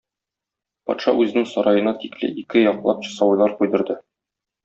Патша үзенең сараена тикле ике яклап часовойлар куйдырды.